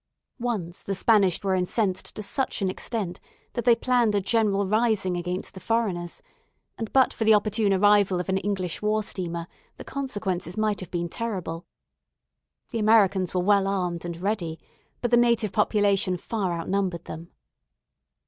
Once the Spanish were incensed to such an extent, that they planned a general rising against the foreigners; and but for the opportune arrival of an English war steamer, the consequences might have been terrible. The Americans were well armed and ready; but the native population far outnumbered them.